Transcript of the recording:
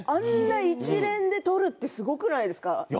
一連でとるってすごくないですか。